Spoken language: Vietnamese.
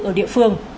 ở địa phương